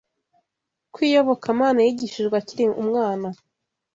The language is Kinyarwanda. kw’iyobokamana yigishijwe akiri umwana